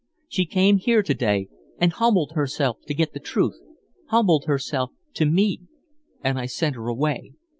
She came here to day and humbled herself to get the truth, humbled herself to me, and I sent her away.